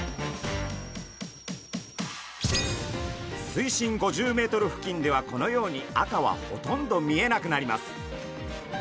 水深５０ｍ付近ではこのように赤はほとんど見えなくなります。